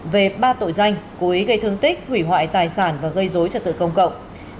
về ba tội danh cố ý gây thương tích hủy hoại tài sản và gây dối trật tự công cộng